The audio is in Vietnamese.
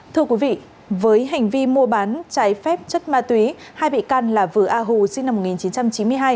thưa quý vị với hành vi mua bán trái phép chất ma túy hai bị can là vừa a hù sinh năm một nghìn chín trăm chín mươi hai